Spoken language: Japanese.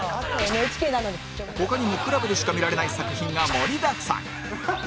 他にも ＣＬＵＢ でしか見られない作品が盛りだくさん